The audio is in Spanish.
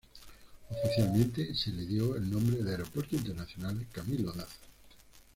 Oficialmente se le dio el nombre de "Aeropuerto Internacional Camilo Daza".